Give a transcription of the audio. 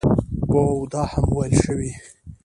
او دا هم ویل شوي